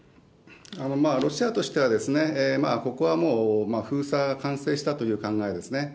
ロシアとしては、ここはもう封鎖完成したという考えですね。